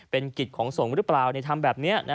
เป็นกิจของสงฆ์หรือเปล่าทำแบบนี้